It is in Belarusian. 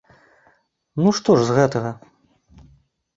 Ну, што ж з гэтага?